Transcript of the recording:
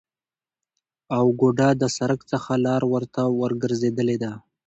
او گوډه د سرک څخه لار ورته ورگرځیدلې ده،